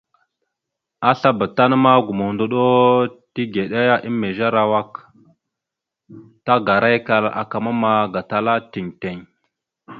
Aslabá tan ma gomohəndoɗo tigəɗá emez arawak aak, tagarakal aka mamma gatala tiŋ tiŋ.